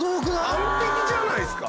完璧じゃないですか。